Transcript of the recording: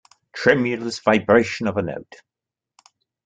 Tremulous vibration of a note.